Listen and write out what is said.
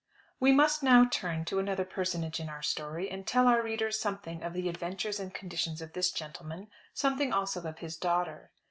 We must now turn to another personage in our story, and tell our readers something of the adventures and conditions of this gentleman; something also of his daughter.